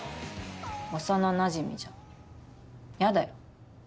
幼なじみじゃん、嫌だよ。